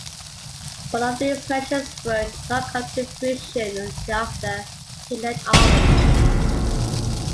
Both of these measures would not come to fruition until after he left office.